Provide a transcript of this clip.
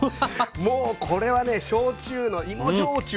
もうこれはね焼酎の芋焼酎のね